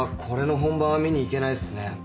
これの本番は見に行けないっすね。